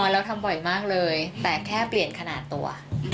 เราทำบ่อยมากเลยแต่แค่เปลี่ยนขนาดตัว